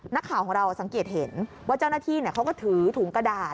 นักข่าวของเราสังเกตเห็นว่าเจ้าหน้าที่เขาก็ถือถุงกระดาษ